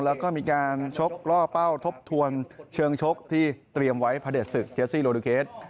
แล้วก็มีการชกล่อเป้าทบทวนเชิงชกที่เตรียมไว้พระเด็จศึกเจสซี่โลดูเคส